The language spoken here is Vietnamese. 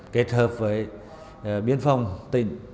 kết hợp với biên phòng tỉnh